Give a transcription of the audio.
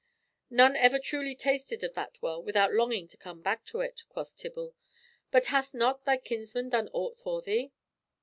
"None ever truly tasted of that well without longing to come back to it," quoth Tibble. "But hath not thy kinsman done aught for thee?"